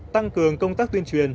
tăng cường công tác tuyên truyền